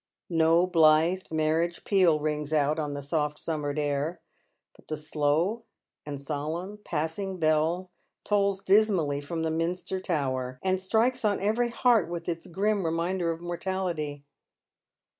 No blithe marriage peat rings out on the soft summer air, but the slow and solemn pass ing bell tolls dismally from the minster tower, and strikes on every heart with its grim reminder of mortality.